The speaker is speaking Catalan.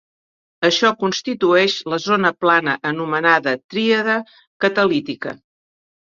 Això constitueix la zona plana anomenada tríada catalítica.